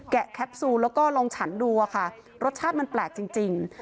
แคปซูลแล้วก็ลองฉันดูอะค่ะรสชาติมันแปลกจริง